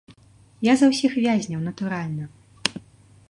Я за ўсіх вязняў, натуральна.